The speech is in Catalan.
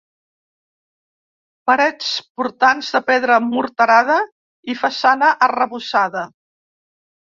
Parets portants de pedra morterada i façana arrebossada.